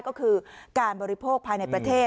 ก็คือการบริโภคภายในประเทศ